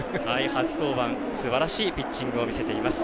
初登板、すばらしいピッチングを見せています。